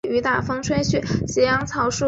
佩斯与布达之间的渡船交通非常繁忙。